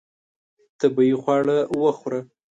طبیعي خواړه وخوره.